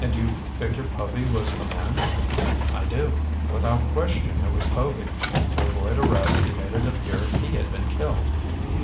"And you figure Povy was the man?" "I do. Without question it was Povy. To avoid arrest, he made it appear he had been killed."